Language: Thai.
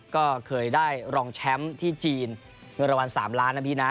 ก็เคยได้รองแชมป์ที่จีนเงินรางวัล๓ล้านนะพี่นะ